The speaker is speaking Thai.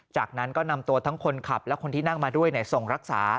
จากนั้นก็นำตัวทั้งคนขับและคนที่นั่งมาด้วยส่งรักษา